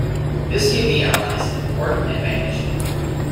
This gave the Allies an important advantage.